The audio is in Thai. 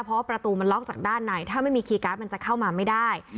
เพราะว่าประตูมันล็อกจากด้านในถ้าไม่มีคีย์การ์ดมันจะเข้ามาไม่ได้